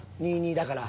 ２：２だから。